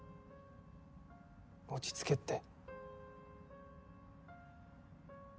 落ち着けって。